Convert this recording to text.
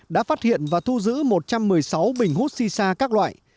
đã phát hiện và thu giữ một trăm một mươi sáu bình hút si sa các loại